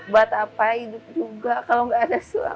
buat apa hidup juga kalau nggak ada suami